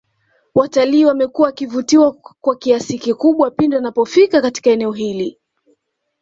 Waltalii wamekuwa wakivutiwa kwa kiasi kikubwa pindi wanapofika Katika eneo hili